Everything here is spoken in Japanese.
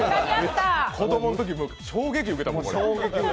子供のとき、衝撃受けたもん。